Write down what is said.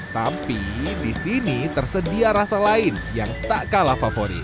tapi di sini tersedia rasa lain yang tak kalah favorit